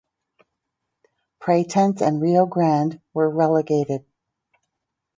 Pratense and Rio Grande were relegated.